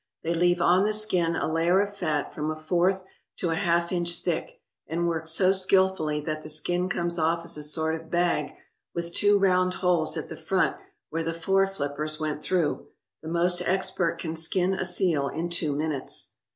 They leave on the skin a layer of fat from a fourth to a half inch thick, and work so skilfully that the skin comes off as a sort of bag with two round holes at the front where the fore flippers went through. The most expert can skin a seal in two minutes.